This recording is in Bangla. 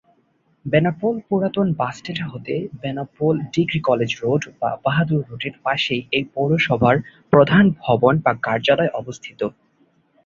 বেনাপোল পুরাতন বাসস্ট্যান্ড হতে বেনাপোল ডিগ্রি কলেজ রোড বা বাহাদুরপুর রোডের পাশেই এই পৌরসভার প্রধান ভবন বা কার্যালয় অবস্থিত।